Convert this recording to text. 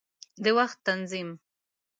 د وخت تنظیم